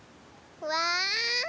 うわ。